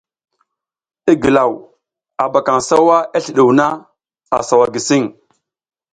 I gilaw, a ɓakaƞ sawa i sliɗuw na, a sawa gisiƞ.